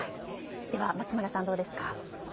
では、松村さん、どうですか。